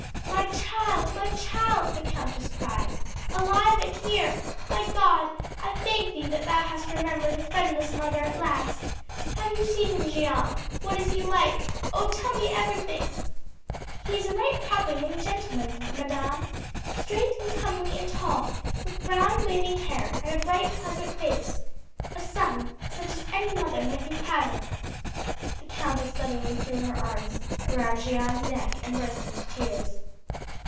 '" "My child! my child!" the countess cried. "Alive and here! My God, I thank thee that thou hast remembered a friendless mother at last. Have you seen him, Jeanne? What is he like? Oh, tell me everything!" "He is a right proper young gentleman, madam. Straight and comely and tall, with brown waving hair and a bright pleasant face. A son such as any mother might be proud of." The countess suddenly threw her arms around Jeanne's neck and burst into tears.